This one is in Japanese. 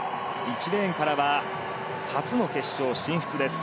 １レーンからは初の決勝進出です。